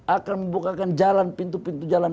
akan membukakan jalan pintu pintu jalan